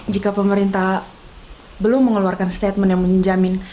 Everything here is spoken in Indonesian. jika pemerintah belum mengeluarkan statement yang menjamin